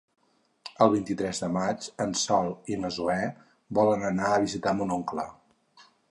El vint-i-tres de maig en Sol i na Zoè volen anar a visitar mon oncle.